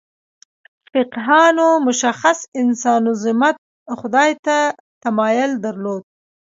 فقیهانو متشخص انسانوزمه خدای ته تمایل درلود.